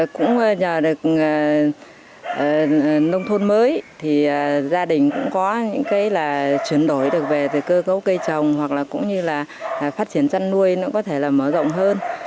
cũng nhờ được nông thôn mới thì gia đình cũng có những cái là chuyển đổi được về cơ cấu cây trồng hoặc là cũng như là phát triển chăn nuôi nó có thể là mở rộng hơn